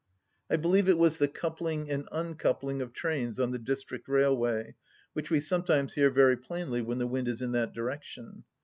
... I believe it was the coupling and uncoupling of trains on the District Railway which we sometimes hear very plainly when the wind is in that direction.